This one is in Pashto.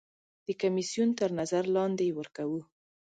د کمیسیون تر نظر لاندې یې ورکوو.